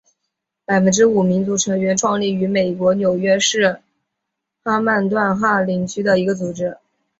百分之五民族成员创立于美国纽约市曼哈顿哈林区的一个组织。